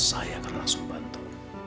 saya akan langsung bantu